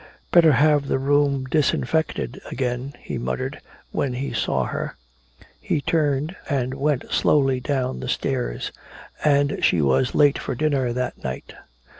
"Better have the room disinfected again," he muttered when he saw her. He turned and went slowly down the stairs. And she was late for dinner that night.